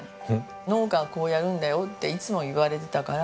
農家はこうやるんだよっていつも言われてたから。